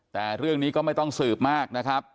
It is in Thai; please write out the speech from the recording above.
แต่เรื่องนี้ก็ไม่ต้องสืบมากนะครับ